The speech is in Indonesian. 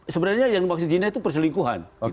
sebenarnya yang dimaksud cina itu perselingkuhan